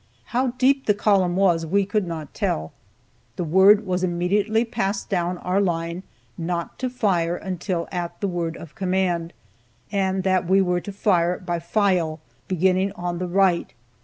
How deep the column was we could not tell. The word was immediately passed down our line not to fire until at the word of command, and that we were to fire by file, beginning on the right.